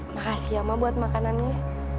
makasih mama buat makanannya